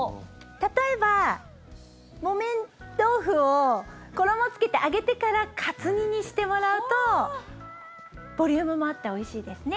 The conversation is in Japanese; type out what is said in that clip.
例えば、木綿豆腐を衣つけて揚げてからカツ煮にしてもらうとボリュームもあっておいしいですね。